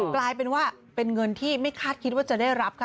กลายเป็นว่าเป็นเงินที่ไม่คาดคิดว่าจะได้รับค่ะ